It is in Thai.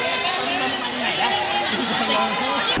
ก็ไม่มีคนกลับมาหรือเปล่า